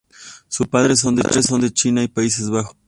Sus padre son de China y Países Bajos.